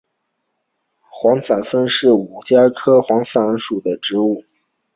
幌伞枫是五加科幌伞枫属的植物。